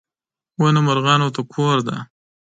• ونه مرغانو ته کور دی.